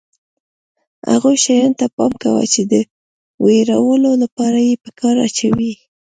هغو شیانو ته پام کوه چې د وېرولو لپاره یې په کار اچوي.